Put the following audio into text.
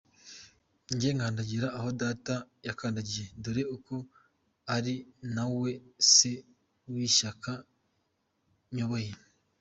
Njye nkandagira aho Data yakandagiraga dore ko ari na we Se w’ishyaka nyoboye.